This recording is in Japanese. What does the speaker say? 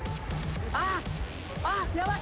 あっあっヤバい。